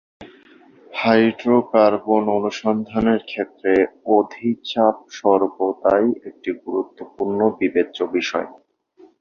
Hydrocarbon অনুসন্ধানের ক্ষেত্রে অধিচাপ সর্বদাই একটি গুরুত্বপূর্ণ বিবেচ্য বিষয়।